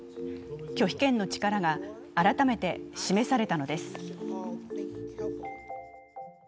拒否権の力が改めて示されたのです。